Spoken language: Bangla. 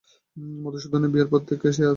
মধুসূদনের বিয়ের পর থেকে সে আর থাকতে পারছিল না।